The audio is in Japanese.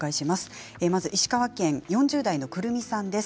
石川県４０代の方です。